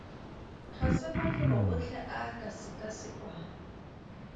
Ga se mafelo otlhe a a ka sekasekwang.